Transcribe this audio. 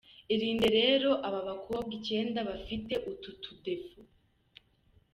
Irinde rero aba bakobwa icyenda bafite utu ‘tudefauts’:.